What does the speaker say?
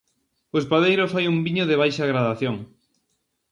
O espadeiro fai un viño de baixa gradación.